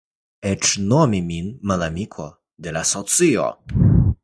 Eĉ nomi min malamiko de la socio!